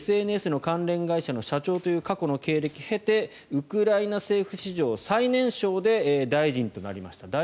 ＳＮＳの関連会社の社長という過去の経歴を経てウクライナ政府史上最年少で大臣となりました。